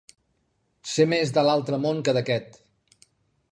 Ser més de l'altre món que d'aquest.